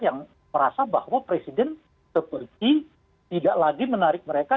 yang merasa bahwa presiden seperti tidak lagi menarik mereka